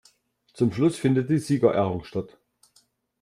Zum Schluss findet die Siegerehrung statt.